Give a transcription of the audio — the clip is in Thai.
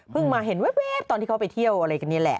มาเห็นแว๊บตอนที่เขาไปเที่ยวอะไรกันนี่แหละ